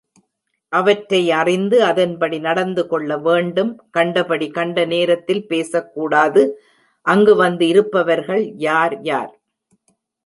அவற்றை அறிந்து அதன்படி நடந்துகொள்ள வேண்டும் கண்டபடி கண்ட நேரத்தில் பேசக்கூடாது அங்கு வந்து இருப்பவர்கள் யார் யார்?